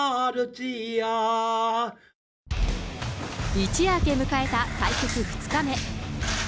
一夜明け、迎えた対局２日目。